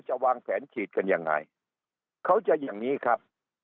วางแผนฉีดกันยังไงเขาจะอย่างนี้ครับ